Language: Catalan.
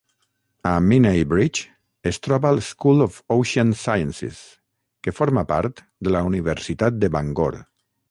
A Menai Bridge es troba l'School of Ocean Sciences, que forma part de la Universitat de Bangor.